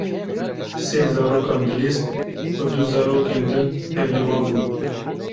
Sê zarokan dilîst û du zarokên din tevlî wan bûn.